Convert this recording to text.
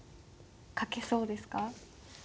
書けそうですか？